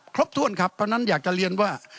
ครบถ้วนครับเพราะฉะนั้นอยากจะเรียนว่า